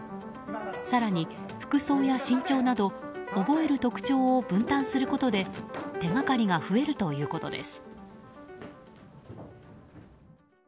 更に、服装や身長など覚える特徴を分担することで手がかりが増えるということです。